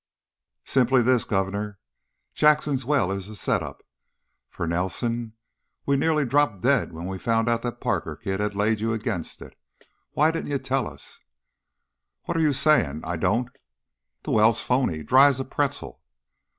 "Simply this, Governor: Jackson's well is a 'set up'! For Nelson! We nearly dropped dead when we found out that Parker kid had laid you against it. Why didn't you tell us ?" "What are you saying? I don't " "The well's phony. Dry as a pretzel."